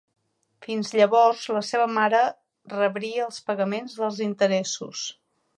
Fins llavors, la seva mare rebria els pagaments dels interessos.